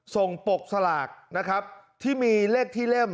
ปกสลากนะครับที่มีเลขที่เล่ม